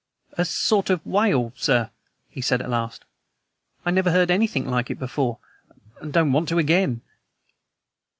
"A sort of wail, sir," he said at last. "I never heard anything like it before, and don't want to again."